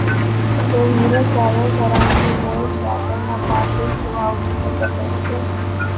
The Hero travels around the world gathering a party throughout his adventure.